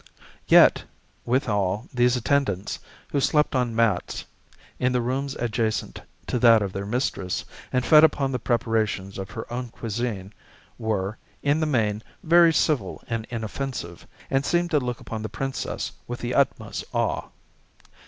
Yet, withal, these attendants, who slept on mats, in the rooms adjacent to that of their mistress, and fed upon the preparations of her own cuisine, were, in the main, very civil and inoffensive, and seemed to look upon the Princess with the utmost awe.